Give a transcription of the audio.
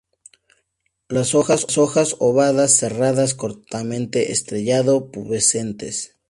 Las hojas ovadas, serradas, cortamente estrellado-pubescentes.